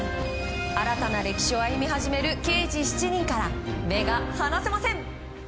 新たな歴史を歩み始める「刑事７人」から目が離せません。